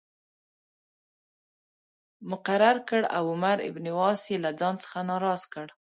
مقرر کړ او عمرو بن عاص یې له ځان څخه ناراض کړ.